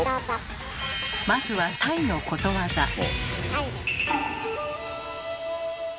まずはタイのことわざ。